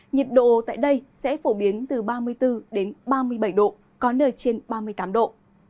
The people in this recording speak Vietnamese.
nhiệt độ tại đây sẽ phổ biến từ ba mươi bốn đến ba mươi bảy độ có nơi trên ba mươi tám độ